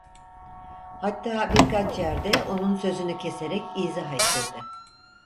Hatta birkaç yerde onun sözünü keserek izah ettirdi.